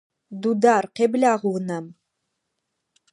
Дудар, къеблагъ унэм!